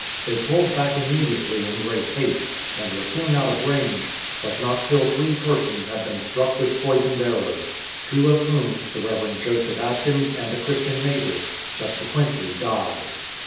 They pulled back immediately in great haste, and were soon out of range, but not till three persons had been 281 THE BISHOP'S DEATH struck with poisoned arrows, two of whom, the Rev. Joseph Atkins and a Christian native, subsequently died.